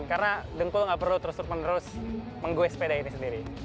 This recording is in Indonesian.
karena dengkul nggak perlu terus terus menerus menggue sepeda ini sendiri